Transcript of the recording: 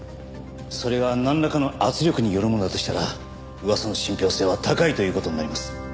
それがなんらかの圧力によるものだとしたら噂の信憑性は高いという事になります。